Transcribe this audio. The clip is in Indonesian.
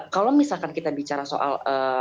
kalau misalkan kita bicara soal